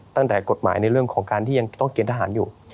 กฎหมายในเรื่องของการที่ยังต้องเกณฑหารอยู่